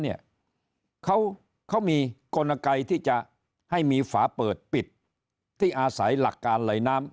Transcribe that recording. เขามีกลไกที่จะให้มีฝาเปิดปิดที่อาศัยหลักการไหลน้ำ